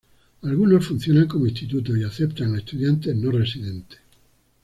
Algunos funcionan como institutos y aceptan a estudiantes no residentes.